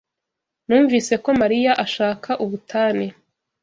Numvise ko Mariya ashaka ubutane.